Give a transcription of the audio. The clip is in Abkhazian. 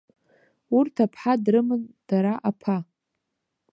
Урҭ аԥҳа дрыман, дара аԥа.